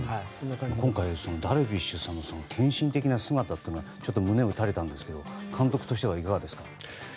今回、ダルビッシュさんの献身的な姿にちょっと胸に打たれたんですがいかがですか？